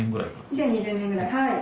２０２０年ぐらいはい。